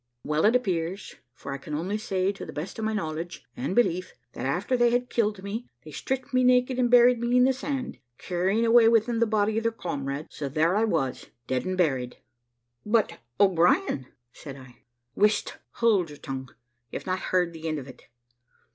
Well, it appears for I can only say to the best of my knowledge and belief that after they had killed me, they stripped me naked and buried me in the sand, carrying away with them the body of their comrade. So there I was dead and buried." "But, O'Brien " said I. "Whist hold your tongue you've not heard the end of it.